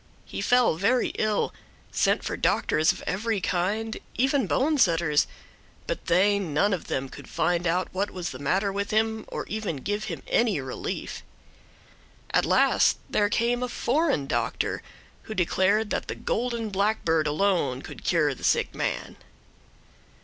He fell very ill, sent for doctors of every kind, even bonesetters, but they none of them could find out what was the matter with him or even give him any relief. At last there came a foreign doctor, who declared that the golden blackbird alone could cure the sick man.